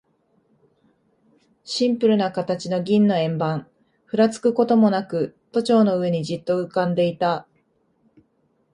シンプルな形の銀の円盤、ふらつくこともなく、都庁の上にじっと浮んでいた。